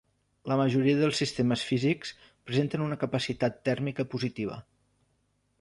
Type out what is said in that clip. La majoria de sistemes físics presenten una capacitat tèrmica positiva.